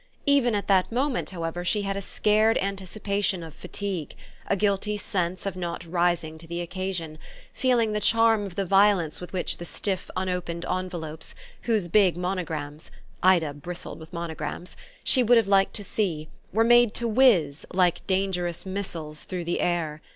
Even at that moment, however, she had a scared anticipation of fatigue, a guilty sense of not rising to the occasion, feeling the charm of the violence with which the stiff unopened envelopes, whose big monograms Ida bristled with monograms she would have liked to see, were made to whizz, like dangerous missiles, through the air.